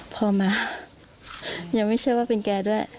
พอมายังไม่เชื่อว่าเป็นแกด้วย